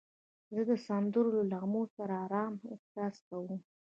زه د سندرو له نغمو سره آرام احساس کوم.